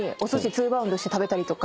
２バウンドして食べたりとか。